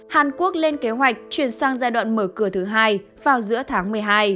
hàn quốc lên kế hoạch chuyển sang giai đoạn mở cửa thứ hai vào giữa tháng một mươi hai